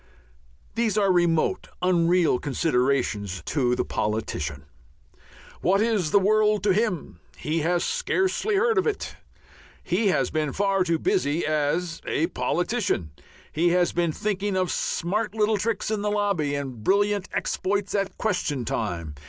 These are remote, unreal considerations to the politician. What is the world to him? He has scarcely heard of it. He has been far too busy as a politician. He has been thinking of smart little tricks in the lobby and brilliant exploits at question time.